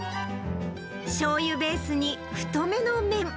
しょうゆベースに太めの麺。